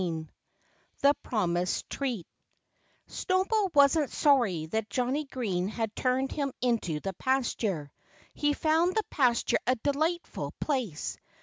V THE PROMISED TREAT Snowball wasn't sorry that Johnnie Green had turned him into the pasture. He found the pasture a delightful place.